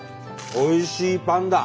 おいしいパンだ！